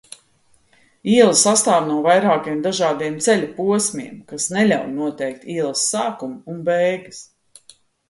Iela sastāv no vairākiem dažādiem ceļa posmiem, kas neļauj noteikt ielas sākumu un beigas.